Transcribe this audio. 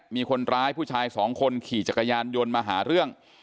มีคนร้ายผู้ชายสองคนขี่จักรยานยนต์มาหาเรื่อง